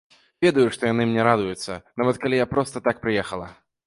Ведаю, што яны мне радуюцца, нават калі я проста так прыехала.